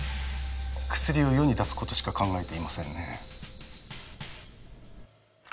薬を世に出すことしか考えていませんね